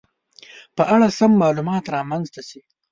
په اړه سم معلومات رامنځته شي